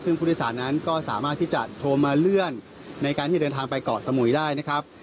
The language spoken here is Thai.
ซึ่งผู้โดยสารนั้นก็สามารถที่จะโทรมาเลื่อนในการที่จะเดินทางไปเกาะสมุยได้นะครับ